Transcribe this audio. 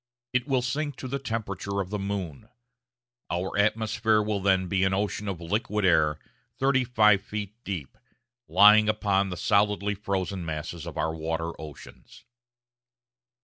It will sink to the temperature of the moon. Our atmosphere will then be an ocean of liquid air, 35 feet deep, lying upon the solidly frozen masses of our water oceans.